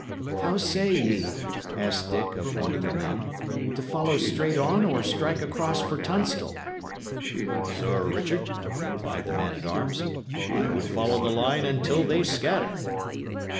"How say ye," asked Dick of one of the men, "to follow straight on, or strike across for Tunstall?" "Sir Richard," replied the man at arms, "I would follow the line until they scatter."